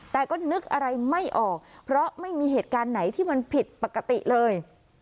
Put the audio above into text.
แต่ก็นึกอะไรไม่ออกเพราะไม่มีเหตุการณ์ไหนที่มันผิดปกติเลย